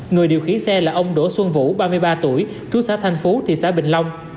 người điều khiển xe là ông đỗ xuân vũ ba mươi ba tuổi trú xã thành phú thị xã bình long